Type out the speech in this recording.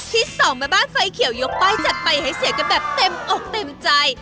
ที่สองแม่บ้านไฟเขียวยกป้ายจัดไปให้เสียกันแบบเต็มอกเต็มใจ